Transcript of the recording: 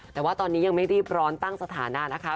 แต่ว่าตอนนี้ยังไม่รีบร้อนตั้งสถานะนะคะ